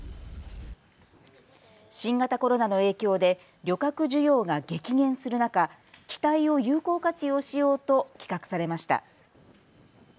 新型コロナの影響で旅客需要が激減する中、機体を有効活用しようと企画されました。